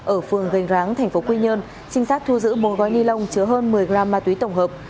ở phường gành ráng tp quy nhơn trinh sát thu giữ một gói ni lông chứa hơn một mươi gram ma túy tổng hợp